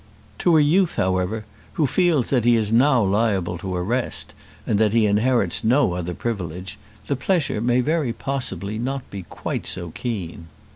To a youth, however, who feels that he is now liable to arrest, and that he inherits no other privilege, the pleasure may very possibly not be quite so keen.